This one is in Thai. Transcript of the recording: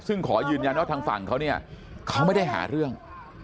ซึ่งขอยืนยันว่าทางฝั่งเขาเนี่ยเขาไม่ได้หาเรื่อง